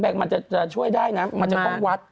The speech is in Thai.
มันจะช่วยได้นะมันจะต้องวัด